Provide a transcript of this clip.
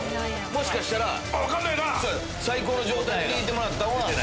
もしかしたら最高の状態でにぎってもらったんは。